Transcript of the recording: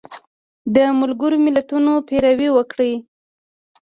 د ملګرو ملتونو پیروي وکړي